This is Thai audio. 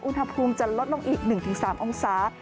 อุณหภูมิจะลดลงอีก๑๓องศา